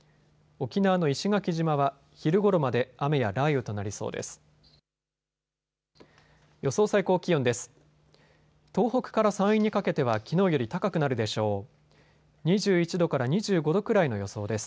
沖縄の石垣島は昼ごろまで雨や雷雨となりそうです。